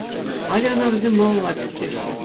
Халӗ ӑна вӗсем малалла тӗпчеҫҫӗ.